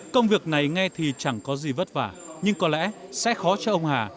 công việc này nghe thì chẳng có gì vất vả nhưng có lẽ sẽ khó cho ông hà